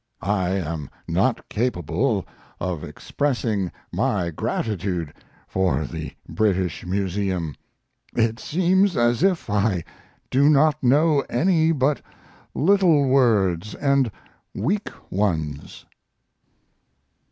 I am not capable of expressing my gratitude for the British Museum it seems as if I do not know any but little words and weak ones.